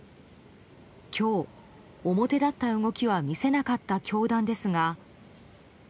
今日、表立った動きは見せなかった教団ですが。